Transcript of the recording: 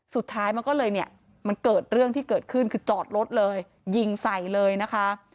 สุดท้ายมันก็เลยเนี่ยมันเกิดเรื่องที่เกิดขึ้นคือจอดรถเลยยิงใส่เลยนะคะ